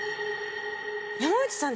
山内さん